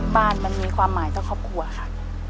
บ้านมันมีความหมายต่อครอบครัวค่ะ